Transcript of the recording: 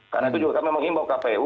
karena itu juga kami mengimbau kpu